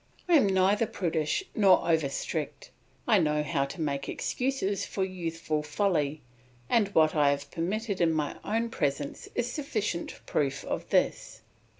I am neither prudish nor over strict; I know how to make excuses for youthful folly, and what I have permitted in my own presence is sufficient proof of this.